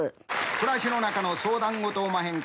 暮らしの中の相談事おまへんか？